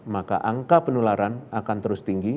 maka angka penularan akan terus tinggi